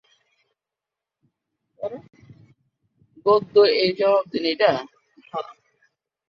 গদ্যে এর জবাব দিয়েছেন।